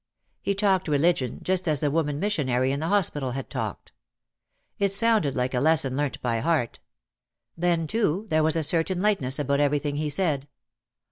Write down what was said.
He talked religion just as the woman missionary in the hospital had talked. It sounded like a lesson learnt by heart. Then, too, there was a certain lightness about everything he said.